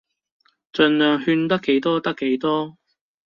儘量勸得幾多得幾多